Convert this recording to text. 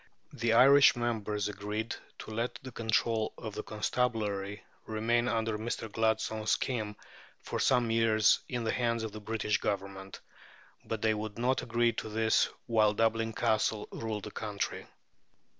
The Irish members agreed to let the control of the constabulary remain, under Mr. Gladstone's scheme, for some years in the hands of the British Government; but they would not agree to this while Dublin Castle ruled the country.